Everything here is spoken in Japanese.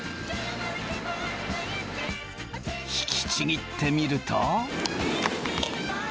引きちぎってみると。